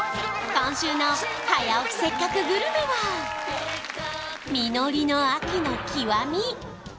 今週の「早起きせっかくグルメ！！」は実りの秋の極み！